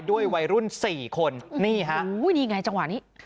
ด้วยวัยรุ่น๔คนนี่ฮะอุ้ยนี่ไงจังหวะนี้